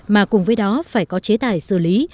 mà cùng với đó phải có chế tài xử lý